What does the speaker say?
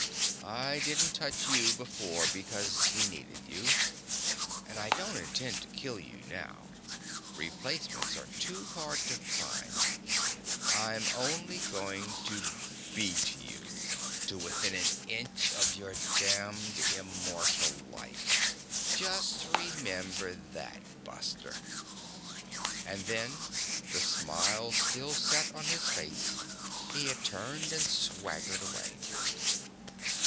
I didn't touch you before because we needed you. And I don't intend to kill you now; replacements are too hard to find. I'm only going to beat you to within an inch of your damned immortal life. Just remember that, buster." And then, the smile still set on his face, he had turned and swaggered away.